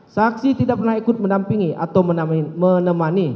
saksi tidak pernah ikut mendampingi atau menemani